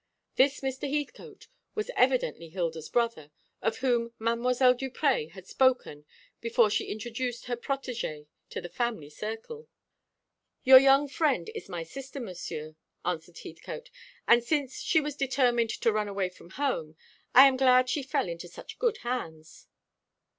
This Mr. Heathcote was evidently Hilda's brother, of whom Mdlle. Duprez had spoken before she introduced her protégée to the family circle. "Your young friend is my sister, Monsieur," answered Heathcote; "and since she was determined to run away from home, I am glad she fell into such good hands."